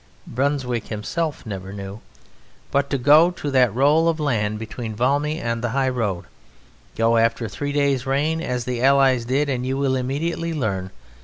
(Brunswick himself never knew.) But go to that roll of land between Valmy and the high road; go after three days' rain as the allies did, and you will immediately learn.